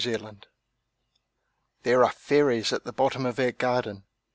Y Z Fairies THERE are fairies at the bottom of our garden!